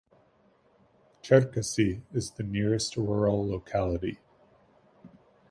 Cherkassy is the nearest rural locality.